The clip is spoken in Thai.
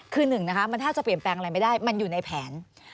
คือหนึ่งนะคะมันถ้าจะเปลี่ยนแปลงอะไรไม่ได้มันอยู่ในแผน